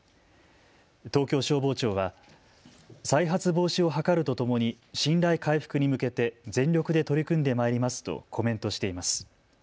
東京消防庁は再発防止を図るとともに信頼回復に向けて全力で取り組んでまいりますとコメントしています。